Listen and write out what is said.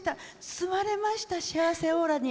包まれました、幸せオーラに。